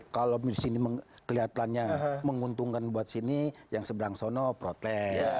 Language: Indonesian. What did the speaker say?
kalau disini kelihatannya menguntungkan buat sini yang seberang sana protes